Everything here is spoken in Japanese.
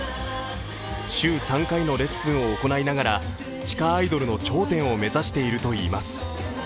週３回のレッスンを行いながら地下アイドルの頂点を目指しているといいます。